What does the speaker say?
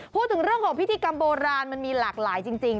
พูดถึงเรื่องของพิธีกรรมโบราณมันมีหลากหลายจริง